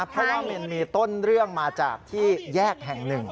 เพราะว่ามันมีต้นเรื่องมาจากที่แยกแห่งหนึ่ง